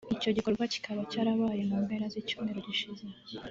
icyo gikorwa kikaba cyarabaye mu mpera z’icyumweru gishize